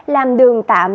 làm đường tạm